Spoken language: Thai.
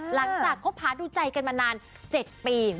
หลังจากคบพาดูใจกันมานาน๗ปี